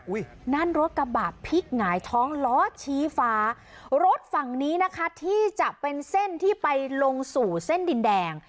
นั่นรถกระบะพลิกหงายท้องล้อชี้ฟ้ารถฝั่งนี้นะคะที่จะเป็นเส้นที่ไปลงสู่เส้นดินแดง